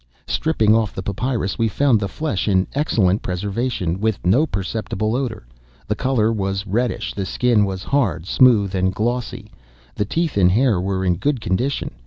Stripping off the papyrus, we found the flesh in excellent preservation, with no perceptible odor. The color was reddish. The skin was hard, smooth, and glossy. The teeth and hair were in good condition.